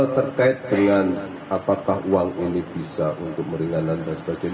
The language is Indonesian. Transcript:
terkait dengan apakah uang ini bisa untuk meringankan transaksi